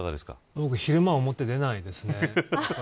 僕、昼間、表、出ないですね。